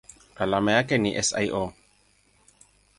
Alama yake ni SiO.